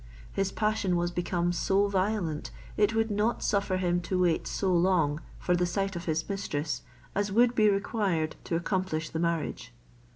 His passion was become so violent, it would not suffer him to wait so long for the sight of his mistress as would be required to accomplish the marriage.